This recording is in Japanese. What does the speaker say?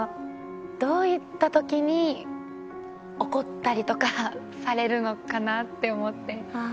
どういった時に怒ったりとかされるのかなって思って。